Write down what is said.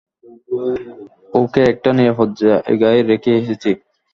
ওকে একটা নিরাপদ জায়গায় রেখে এসেছি।